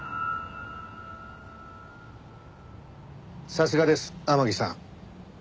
さすがです天樹さん。